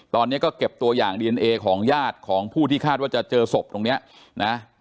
ตอนนี้ก็เก็บตัวอย่างดีเอนเอของญาติของผู้ที่คาดว่าจะเจอศพตรงนี้นะ